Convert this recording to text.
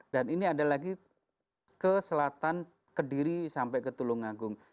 dan ini ada lagi ke selatan kediri sampai ke tulungagung